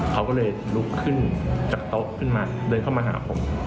เขาก็เลยลุกขึ้นจากโต๊ะขึ้นมาเดินเข้ามาหาผม